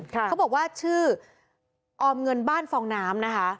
เขาบอกว่าชื่อออมเงินบ้านฟองน้ำนะคะ